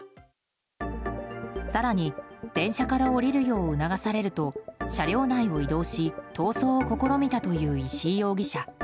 更に電車から降りるよう促されると車両内を移動し逃走を試みたという石井容疑者。